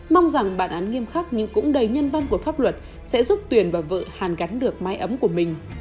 mong rằng bản án nghiêm khắc nhưng cũng đầy nhân văn của pháp luật sẽ giúp tuyền và vợ hàn gắn được mái ấm của mình